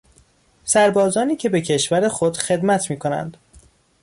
سربازانی که به کشور خود خدمت میکنند